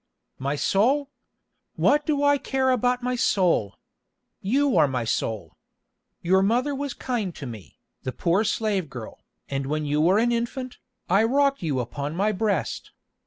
"My soul! What do I care about my soul? You are my soul. Your mother was kind to me, the poor slave girl, and when you were an infant, I rocked you upon my breast.